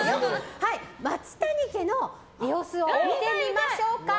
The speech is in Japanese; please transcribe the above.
松谷家の様子を見てみましょうか。